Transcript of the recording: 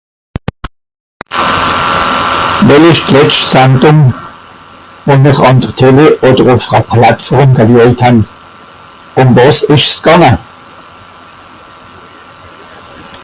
wel esch d'letscht Sandùng wònr àn de Téle òder ùffe're Platefòrm geleujt han ùm wàs esch's gànge